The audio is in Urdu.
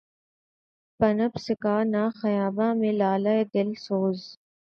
پنپ سکا نہ خیاباں میں لالۂ دل سوز